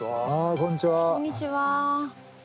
こんにちは。